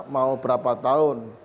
mau berapa tahun